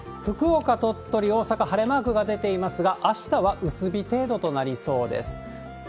福岡、鳥取、大阪、晴れマークが出ていますが、あしたは薄日程度となりそうです。